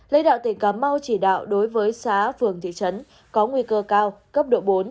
lãnh đạo tỉnh cà mau chỉ đạo đối với xã phường thị trấn có nguy cơ cao cấp độ bốn